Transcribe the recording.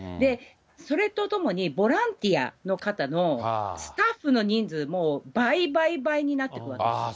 それとともにボランティアの方のスタッフの人数も、倍倍倍になってくるわけです。